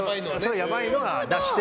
やばいのは出して。